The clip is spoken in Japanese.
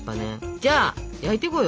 じゃあ焼いていこうよ。